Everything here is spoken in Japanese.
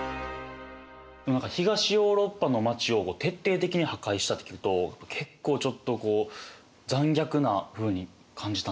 何か東ヨーロッパの町を徹底的に破壊したって聞くと結構ちょっとこう残虐なふうに感じたんですけど。